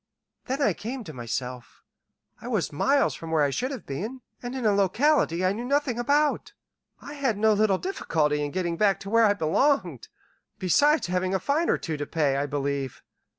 Then I came to myself. I was miles from where I should have been, and in a locality I knew nothing about. I had no little difficulty in getting back to where I belonged, besides having a fine or two to pay, I believe.